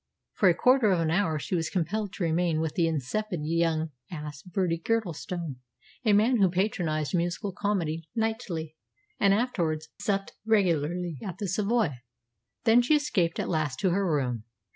For a quarter of an hour she was compelled to remain with the insipid young ass Bertie Girdlestone, a man who patronised musical comedy nightly, and afterwards supped regularly at the "Savoy"; then she escaped at last to her room.